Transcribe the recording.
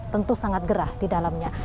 tentu sangat gerah di dalamnya